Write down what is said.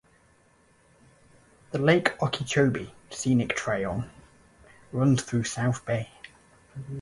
The Lake Okeechobee Scenic Trail runs through South Bay.